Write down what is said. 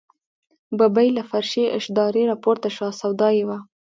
ببۍ له فرشي اشدارې راپورته شوه، سودا یې وه.